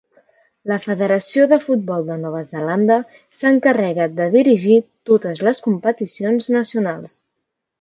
La Federació de Futbol de Nova Zelanda s'encarrega de dirigir totes les competicions nacionals.